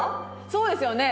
そうですよね。